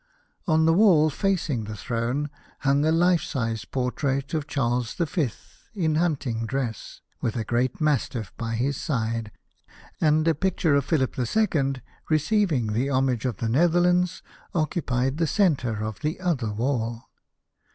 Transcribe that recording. On the wall, facing the throne, hung a life sized portrait of Charles V. in hunting dress, with a great mastiff by his side, and a picture of Philip II. receiving the homage of the Netherlands occupied the centre of the other wall.